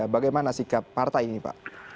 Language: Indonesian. bagaimana sikap partai ini pak